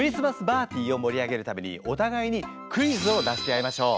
ーティーを盛り上げるためにお互いにクイズを出し合いまＳＨＯＷ。